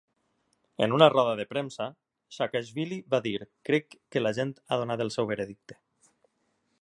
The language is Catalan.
En una roda de premsa, Sakashvili va dir: crec que la gent ha donat el seu veredicte.